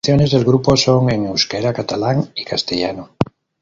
Las canciones del grupo son en euskera, catalán y castellano.